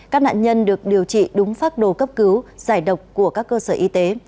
các nạn nhân được điều trị đúng phác đồ cấp cứu giải độc của các cơ sở y tế